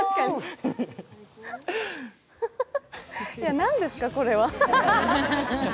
何ですか、これは。